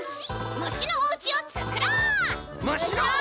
むしのおうちをつくろう！